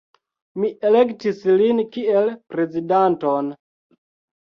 Mi elektis lin kiel prezidanton.